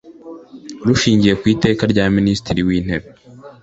rushingiye ku iteka rya minisitiri w’intebe